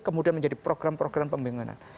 kemudian menjadi program program pembangunan